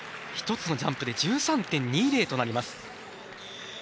１つのジャンプで１３．２０となります。